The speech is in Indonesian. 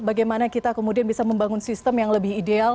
bagaimana kita kemudian bisa membangun sistem yang lebih ideal